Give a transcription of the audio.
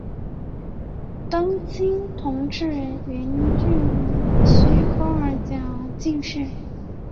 登清同治元年壬戌科二甲进士。